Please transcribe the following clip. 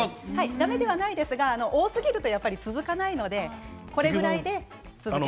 だめではないですが多すぎると続かないのでこれぐらいで続けること。